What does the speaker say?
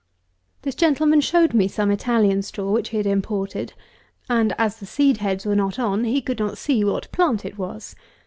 This gentleman showed me some Italian straw which he had imported, and as the seed heads were not on, I could not see what plant it was.